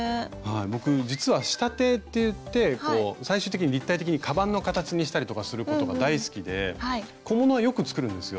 僕実は仕立てっていって最終的に立体的にかばんの形にしたりとかすることが大好きで小物はよく作るんですよ。